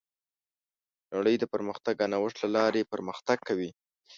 نړۍ د پرمختګ او نوښت له لارې پرمختګ کوي.